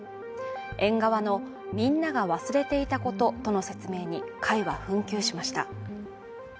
園側のみんなが忘れていたこととの説明に、会は紛糾しました。